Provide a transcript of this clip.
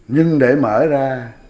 nhưng để mở ra